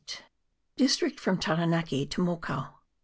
District from Taranaki to Mokau.